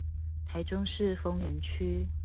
台中市豐原區